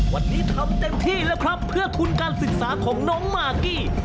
วันนี้ทำเต็มที่แล้วครับเพื่อทุนการศึกษาของน้องมากกี้